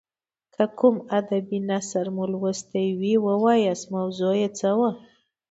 که کوم ادبي نثر مو لوستی وي ووایاست موضوع یې څه وه.